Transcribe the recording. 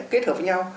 kết hợp với nhau